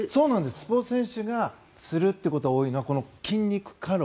スポーツ選手がつることが多いのは筋肉過労。